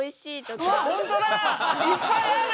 いっぱいある！